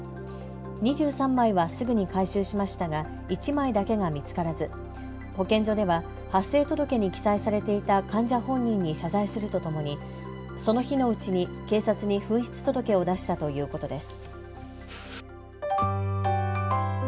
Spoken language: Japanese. ２３枚はすぐに回収しましたが１枚だけが見つからず保健所では発生届に記載されていた患者本人に謝罪するとともにその日のうちに警察に紛失届を出したということです。